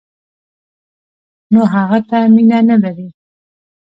نو هغه ته مینه نه لري.